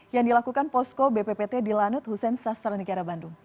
yang dilakukan posko bppt di lanut hussein sastra negara bandung